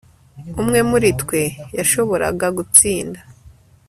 Umwe muri twe yashoboraga gutsinda